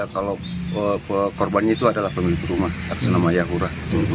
kalau korbannya itu adalah pemilik rumah tak senama ya hura